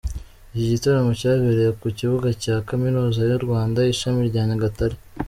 Iki gitaramo cyabereye ku kibuga cya Kaminuza y’u Rwanda ishami rya Nyagatare.